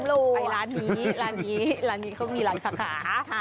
ไปร้านนี้ร้านนี้เขามีร้านสาขา